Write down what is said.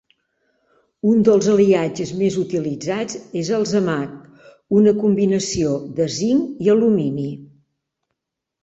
Un dels aliatges més utilitzats és el zamac, una combinació de zinc i alumini.